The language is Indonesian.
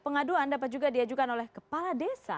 pengaduan dapat juga diajukan oleh kepala desa